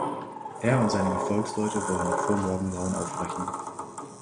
Er und seine Gefolgsleute wollen noch vor Morgengrauen aufbrechen.